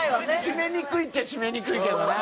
閉めにくいっちゃ閉めにくいけどな。